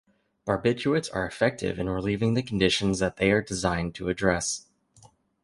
Barbiturates are effective in relieving the conditions that they are designed to address.